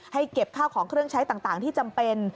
เก็บข้าวของเครื่องใช้ต่างที่จำเป็น